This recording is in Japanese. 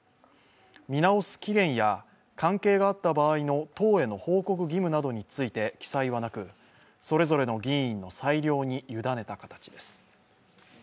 見直す期限や、関係があった場合の党への報告義務について、記載はなくそれぞれの議員の裁量に委ねた形です。